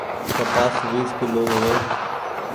ڪپآس ويس ڪلو هووي۔